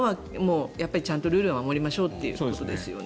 ちゃんとルールを守りましょうということですね。